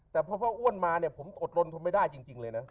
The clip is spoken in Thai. แต่พอพ่ออ้วนมาเนี่ยผมอดลนทนไม่ได้จริงเลยนะ